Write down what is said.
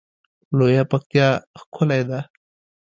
لویه پکتیا ښکلی ده